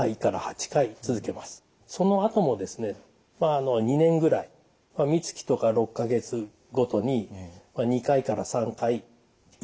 そのあともですね２年ぐらいみつきとか６か月ごとに２回から３回維持療法していく。